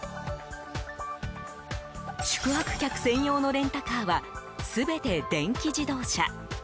宿泊客専用のレンタカーは全て電気自動車。